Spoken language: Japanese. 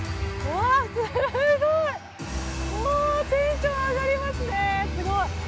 すごい！テンション上がりますね！